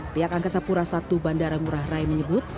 pihak angkasa pura i bandara ngurah rai menyebut